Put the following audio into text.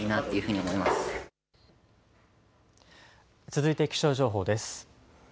続いて気象情報です。